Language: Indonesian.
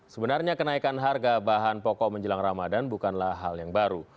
sebenarnya kenaikan harga bahan pokok menjelang ramadan bukanlah hal yang baru